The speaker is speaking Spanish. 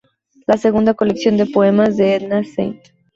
La segunda colección de poemas de Edna St.